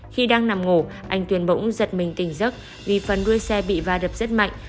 khi đang nằm ngủ anh tuyền bỗng giật mình tỉnh giấc vì phần đuôi xe bị va đập rất mạnh